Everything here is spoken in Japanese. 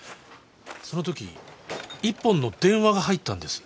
そのとき１本の電話が入ったんです。